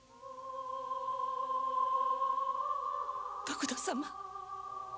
徳田様